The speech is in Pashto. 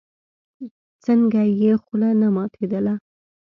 څنگه يې خوله نه ماتېدله.